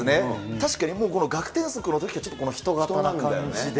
確かにもうこの學天則のときからちょっと人型な感じで。